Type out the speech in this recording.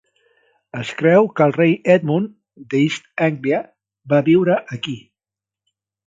Es creu que el rei Edmund d'East Anglia va viure aquí.